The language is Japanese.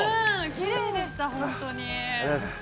◆きれいでした、本当に。